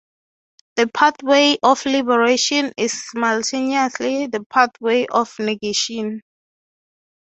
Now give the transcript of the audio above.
The pathway of liberation is simultaneously the pathway of negation.